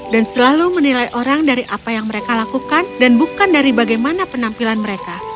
dan selalu menilai orang dari apa yang mereka lakukan dan bukan dari bagaimana penampilan mereka